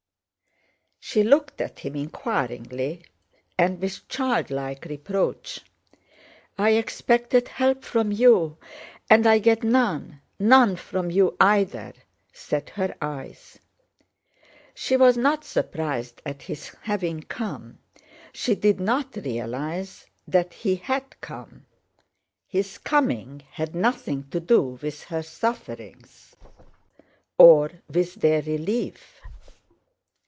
She looked at him inquiringly and with childlike reproach. "I expected help from you and I get none, none from you either!" said her eyes. She was not surprised at his having come; she did not realize that he had come. His coming had nothing to do with her sufferings or with their relief.